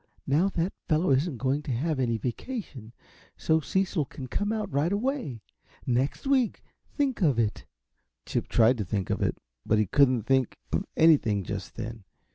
Now that fellow isn't going to have any vacation, so Cecil can come out, right away! Next week! Think of it!" Chip tried to think of it, but he couldn't think of anything, just then.